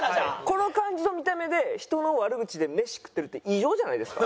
この感じの見た目で人の悪口でメシ食ってるって異常じゃないですか。